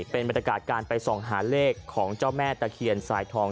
เป็นบรรยากาศการไปส่องหาเลขของเจ้าแม่ตะเคียนสายทอง